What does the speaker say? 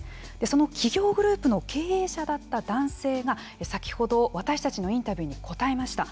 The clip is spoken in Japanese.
その企業グループの経営者だった男性が先ほど私たちのインタビューに答えました。